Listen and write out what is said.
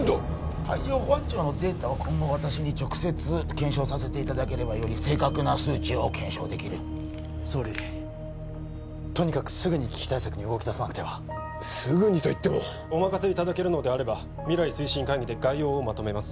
海上保安庁のデータを今後私に直接検証させていただければより正確な数値を検証できる総理とにかくすぐに危機対策に動きださなくてはすぐにといってもお任せいただけるのであれば未来推進会議で概要をまとめます